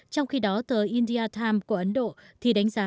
trong khi đó tờ india times của ấn độ thì đánh giá